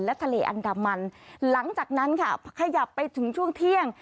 และทะเลอันดามันหลังจากนั้นค่ะขยับไปถึงช่วงเที่ยง